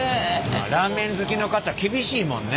ラーメン好きの方厳しいもんね。